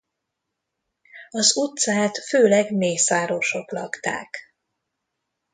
Az utcát főleg mészárosok lakták.